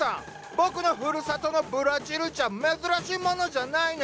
僕のふるさとのブラジルじゃ珍しいものじゃないネ。